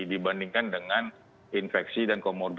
dibandingkan dengan infeksi dan komorbid